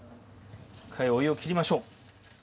一回お湯をきりましょう。